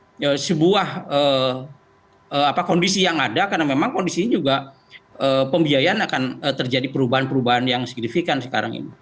ini adalah sebuah kondisi yang ada karena memang kondisinya juga pembiayaan akan terjadi perubahan perubahan yang signifikan sekarang ini